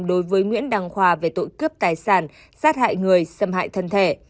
đối với nguyễn đăng khoa về tội cướp tài sản sát hại người xâm hại thân thể